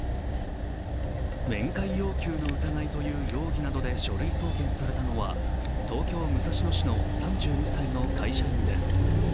面会要求の疑いという容疑などで書類送検されたのは東京・武蔵野市の３２歳の会社員です。